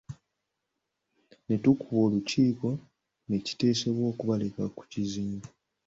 Ne tukuba olukiiko ne kiteesebwa okubaleka ku kizinga.